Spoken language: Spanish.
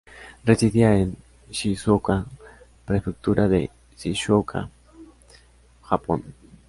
Residía en Shizuoka, Prefectura de Shizuoka, Japón.